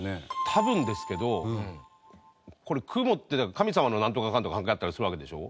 多分ですけどこれ雲って神様のなんとかかんとか関係あったりするわけでしょ。